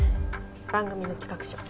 番組の企画書。